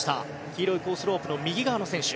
黄色いコースロープの右側の選手。